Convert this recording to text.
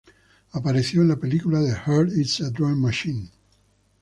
Apareció en la película "The Heart is a Drum Machine".